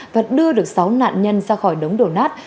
và đưa được sáu nạn nhân ra khỏi đất nước